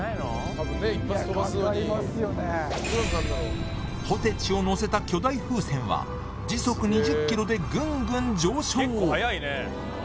多分ね一発飛ばすのにポテチをのせた巨大風船は時速２０ｋｍでぐんぐん上昇